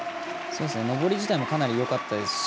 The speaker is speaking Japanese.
登り自体もかなりよかったですし